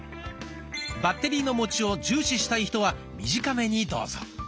バッテリーのもちを重視したい人は短めにどうぞ。